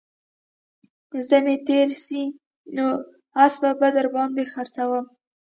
زمى تېر سي نو اسپه به در باندې خرڅوم